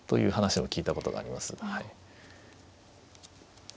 はい。